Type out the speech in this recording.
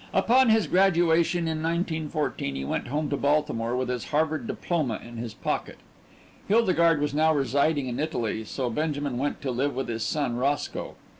Upon his graduation in 1914 he went home to Baltimore with his Harvard diploma in his pocket. Hildegarde was now residing in Italy, so Benjamin went to live with his son, Roscoe.